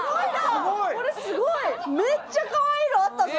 すごい！めっちゃかわいいのあったぞ今。